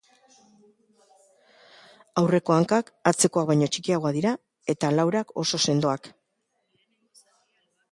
Aurreko hankak atzekoak baino txikiagoak dira eta laurak oso sendoak.